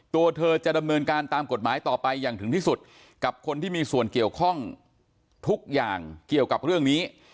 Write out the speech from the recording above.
ตัวเธอจะดำเนินการตามกฎหมายต่อไปอย่างถึงที่สุดกับคนที่มีส่วนเกี่ยวข้องทุกอย่างเกี่ยวกับเรื่องนี้